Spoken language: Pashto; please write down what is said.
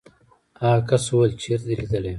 هغه کس وویل چېرته دې لیدلی یم.